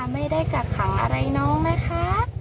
ไม่ได้กระข่าวอะไรน้องนะคะ